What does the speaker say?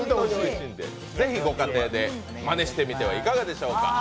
是非ご家庭でまねしてみてはいかがでしょうか。